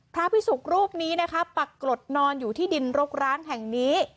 พระพิสูจน์ปลักกรดนอนอยู่ที่ดินรกร้านแห่งนี้